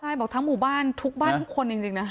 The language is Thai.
ใช่บอกทั้งหมู่บ้านทุกบ้านทุกคนจริงนะ